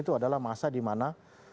itu adalah masa dimana